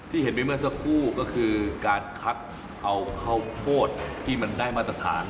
เห็นไปเมื่อสักครู่ก็คือการคัดเอาข้าวโพดที่มันได้มาตรฐาน